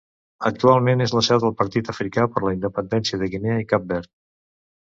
Actualment és la seu del Partit Africà per la Independència de Guinea i Cap Verd.